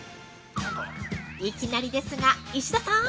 いきなりですが石田さん。